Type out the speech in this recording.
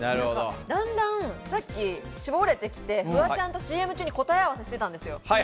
だんだんさっき絞れてきて、フワちゃんとＣＭ中に答え合わせしてたんですよ。